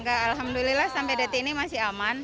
alhamdulillah sampai detik ini masih aman